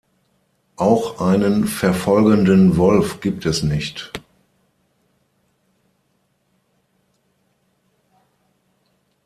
Auch einen verfolgenden Wolf gibt es nicht.